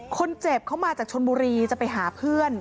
คนเจ็บเขามาจากชนบุรีจะไปหาเพื่อน